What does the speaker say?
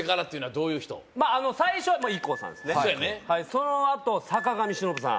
そうやねそのあと坂上忍さん